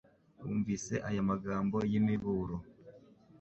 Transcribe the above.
bumvise aya magambo y'imiburo